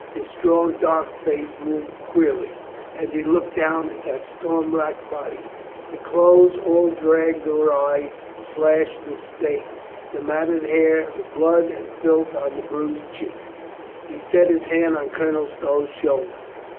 His strong, dark face moved queerly as he looked down at that storm wracked body — the clothes all dragged awry, slashed and stained, the matted hair, the blood and filth on the bruised cheek. ... He set his hand on Colonel Stow's shoulder.